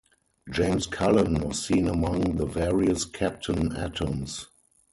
James Cullen was seen among the various Captain Atoms.